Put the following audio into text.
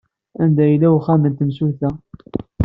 Anda yella uxxam n temsulta?